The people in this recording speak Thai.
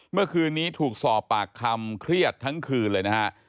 เมื่อคืนนี้ถูกสอบปากคำเครียดทั้งคืนเลยนะฮะ